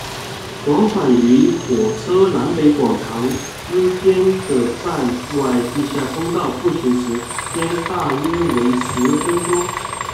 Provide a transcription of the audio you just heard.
往返于火车站南北广场之间的站外地下通道步行时间大约为十分钟。